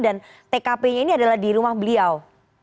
dan tkp nya ini adalah di rumah beliau